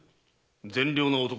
善良な男